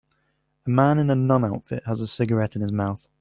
A man in a nun outfit has a cigarette in his mouth.